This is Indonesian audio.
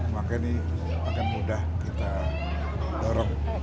maka ini akan mudah kita dorong